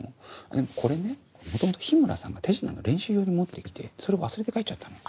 これね元々日村さんが手品の練習用に持って来てそれを忘れて帰っちゃったの。